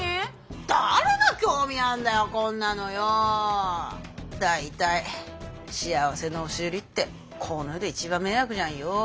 誰が興味あんだよこんなのよ。大体幸せの押し売りってこの世で一番迷惑じゃんよ。